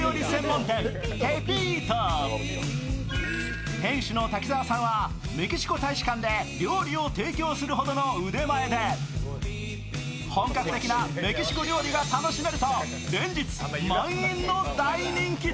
店主の滝沢さんはメキシコ大使館で料理を提供するほどの腕前で本格的なメキシコ料理が楽しめると、連日満員の大人気店。